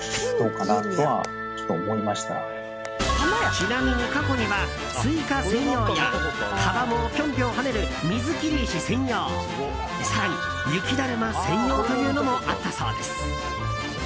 ちなみに過去にはスイカ専用や川面をぴょんぴょん跳ねる水切り石専用更に雪だるま専用というのもあったそうです。